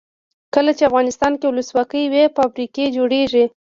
کله چې افغانستان کې ولسواکي وي فابریکې جوړیږي.